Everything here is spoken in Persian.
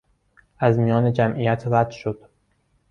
از میان جمعیت رد شد.